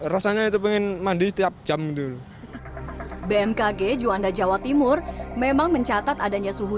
rasanya itu pengen mandi setiap jam dulu bmkg juanda jawa timur memang mencatat adanya suhu